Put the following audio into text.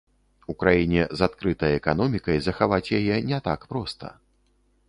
У краіне з адкрытай эканомікай захаваць яе не так проста.